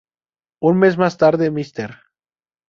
Un mes más tarde, Mr.